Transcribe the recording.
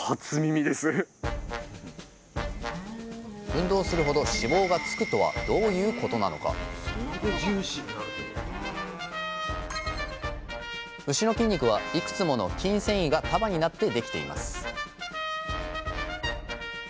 運動するほど脂肪がつくとはどういうことなのか牛の筋肉はいくつもの筋線維が束になって出来ています